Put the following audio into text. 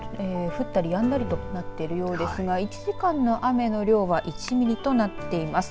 降ったりやんだりとなっているようですが１時間の雨の量が１ミリとなっています。